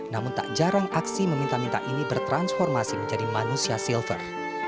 namun tak jarang aksi meminta minta ini bertransformasi menjadi manusia silver